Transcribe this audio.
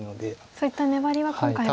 そういった粘りは今回は。